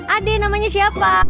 ade namanya siapa